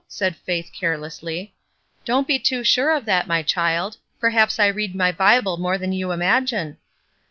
'' said Faith, carelessly. ''Don't be too sure of that, my child. Perhaps I read my Bible more than you imagine."